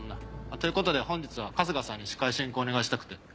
ということで本日は春日さんに司会進行をお願いしたくて。